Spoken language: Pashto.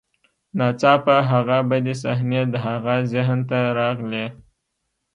ناڅاپه هغه بدې صحنې د هغه ذهن ته راغلې